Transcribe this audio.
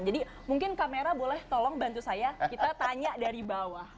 jadi mungkin kamera boleh tolong bantu saya kita tanya dari bawah